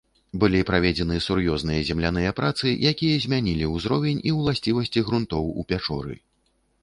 Былі праведзены сур'ёзныя земляныя працы, якія змянілі узровень і ўласцівасці грунтоў у пячоры.